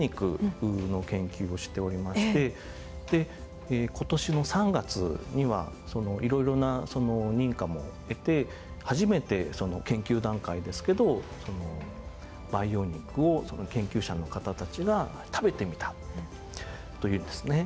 で今年の３月にはいろいろな認可も得て初めて研究段階ですけど培養肉をその研究者の方たちが食べてみたというですね。